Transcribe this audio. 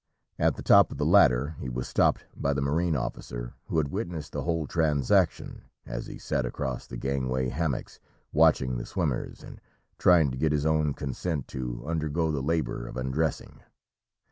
At the top of the ladder he was stopped by the marine officer, who had witnessed the whole transaction, as he sat across the gangway hammocks, watching the swimmers, and trying to get his own consent to undergo the labor of undressing.